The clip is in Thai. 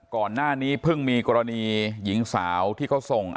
ก่อนหน้านี้เพิ่งมีกรณีหญิงสาวที่เขาส่ง